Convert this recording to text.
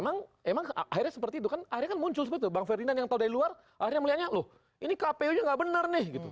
emang akhirnya seperti itu kan akhirnya kan muncul sebetulnya bang ferdinand yang tahu dari luar akhirnya melihatnya loh ini kpu nya nggak benar nih gitu